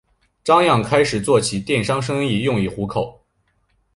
张漾开始做起了电商生意用以糊口。